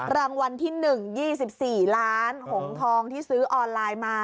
รางวัลที่หนึ่งยี่สิบสี่ล้านหงษ์ทองที่ซื้อออนไลน์มา